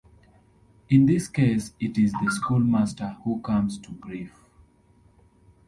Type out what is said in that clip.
In this case it is the schoolmaster who comes to grief.